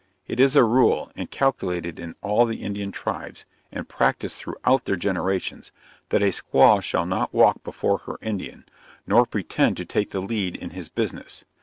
It is a rule, inculcated in all the Indian tribes, and practised throughout their generations, that a squaw shall not walk before her Indian, nor pretend to take the lead in his business.